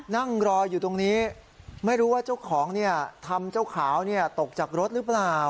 นั่งรออยู่ตรงนี้ไม่รู้ว่าเจ้าของทำเจ้าขาวตกจากรถหรือเปล่า